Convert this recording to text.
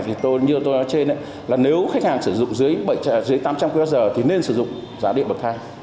thì như tôi nói trên là nếu khách hàng sử dụng dưới tám trăm linh kwh thì nên sử dụng giá điện bậc thang